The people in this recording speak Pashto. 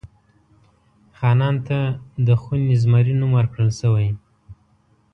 خانان ته د خوني زمري نوم ورکړل شوی.